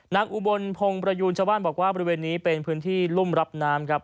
อุบลพงศ์ประยูนชาวบ้านบอกว่าบริเวณนี้เป็นพื้นที่รุ่มรับน้ำครับ